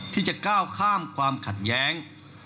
ที่จะก้าวข้ามความขัดแย้ง